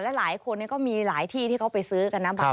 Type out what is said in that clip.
หลายคนก็มีหลายที่ที่เขาไปซื้อกันนะบาง